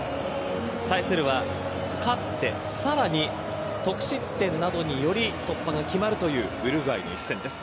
対するは勝って、さらに得失点などにより突破が決まるというウルグアイの一戦です。